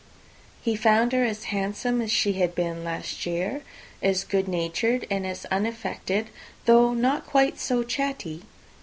He found her as handsome as she had been last year; as good natured, and as unaffected, though not quite so chatty.